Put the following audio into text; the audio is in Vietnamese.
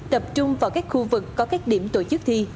tập trung vào các khu vực có các điểm tổ chức thi